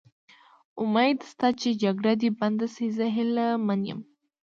امید شته چې جګړه دې بنده شي، زه هیله من یم.